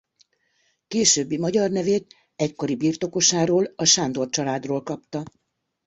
Későbbi magyar nevét egykori birtokosáról a Sándor családról kapta.